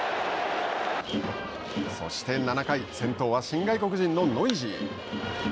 そして７回先頭は新外国人のノイジー。